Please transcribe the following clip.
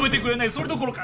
それどころか